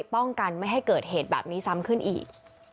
ป้องกันไม่ให้เกิดเหตุแบบนี้ซ้ำขึ้นอีก